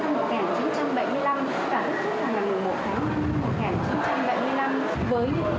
với những ý nghĩa sâu sắc